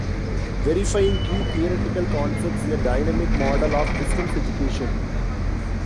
Verifying key theoretical concepts in a dynamic model of distance education.